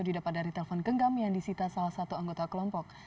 didapat dari telpon genggam yang disita salah satu anggota kelompok